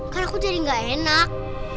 kalau aku jadi gak enak